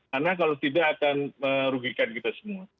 karena kalau tidak akan merugikan kita semua